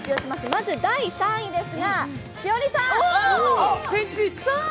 まず３位ですが栞里さん！